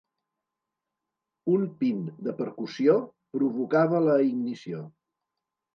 Un pin de percussió provocava la ignició.